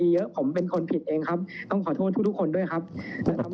คือเคยมีความพยายามในการที่จะหาหลักฐานจากผู้ต้องหาโดยการกระทำซ้อมทรมานแบบนี้หรือเปล่าค่ะ